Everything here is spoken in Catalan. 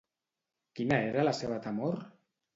Quina era la seva temor?